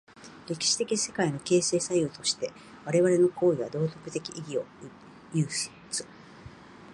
歴史的世界の形成作用として我々の行為は道徳的意義を有つ。